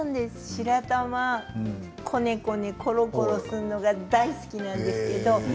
白玉こねこねコロコロするのが大好きなんです。